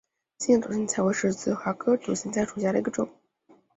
心叶独行菜为十字花科独行菜属下的一个种。